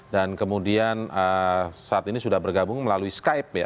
dan kemudian saat ini sudah bergabung melalui skype